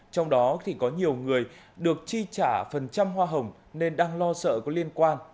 trong đó thì có nhiều người được chi trả phần trăm hoa hồng nên đang lo sợ có liên quan